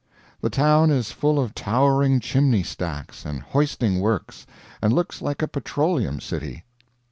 The town is full of towering chimney stacks, and hoisting works, and looks like a petroleum city.